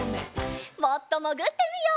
もっともぐってみよう。